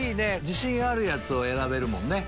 自信あるやつを選べるもんね。